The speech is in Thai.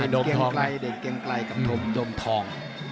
เด็กเกียงไกลเด็กเกียงไกลกับดมดมทอง